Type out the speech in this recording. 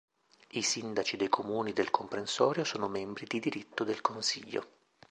I sindaci dei comuni del comprensorio sono membri di diritto del consiglio.